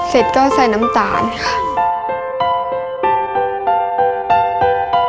เสร็จก็ใส่น้ำตาลค่ะ